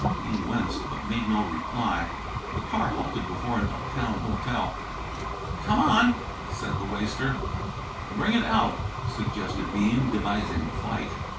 Bean winced, but made no reply. The car halted before an uptown hotel. "Come on!" said the waster. "Bring it out," suggested Bean, devising flight.